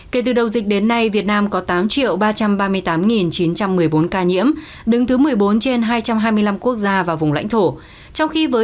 kể từ đầu dịch đến nay việt nam có tám ba trăm ba mươi tám chín trăm một mươi bốn ca nhiễm đứng thứ một mươi bốn trên hai trăm hai mươi năm quốc gia và vùng lãnh thổ